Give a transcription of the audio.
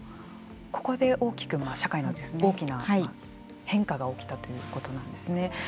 ここで大きく社会が大きな変化が起きたということなんですね。